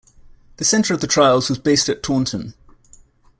The Centre of the trials was based at Taunton.